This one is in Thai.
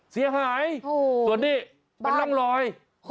เสียหายโหตัวนี้บ้านเป็นนั่งลอย